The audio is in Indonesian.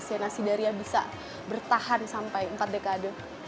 masih ada nasidaria bisa bertahan sampai empat dekade